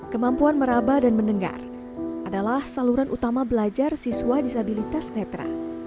kemampuan meraba dan mendengar adalah saluran utama belajar siswa disabilitas netra